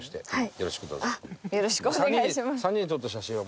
よろしくお願いします。